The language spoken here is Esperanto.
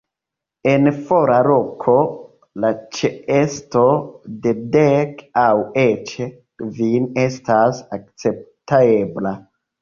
En fora loko, la ĉeesto de dek aŭ eĉ kvin estas akceptebla.